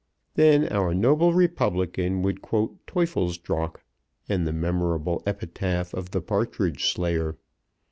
Then our noble Republican would quote Teufelsdröckh and the memorable epitaph of the partridge slayer.